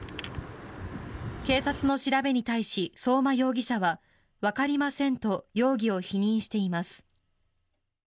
警察の調べに対し相馬容疑者はわかりませんと容疑を否認しています。